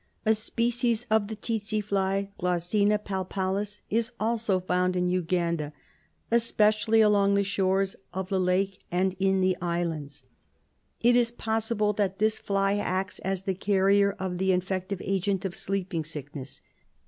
A species of tsetse fly {Glossina palpalis) is also found in Uganda, especially along the shores of the lake and in the islands. It is possible that this fly acts as the carrier of the infective agent of sleeping sickness.